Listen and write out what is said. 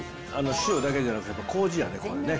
塩だけじゃなくて、やっぱこうじやね、これね。